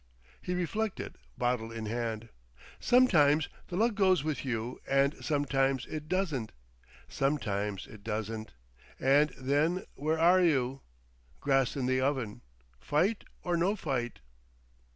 He reflected, bottle in hand. "Sometimes the luck goes with you and sometimes it doesn't. Sometimes it doesn't. And then where are you? Grass in the oven! Fight or no fight."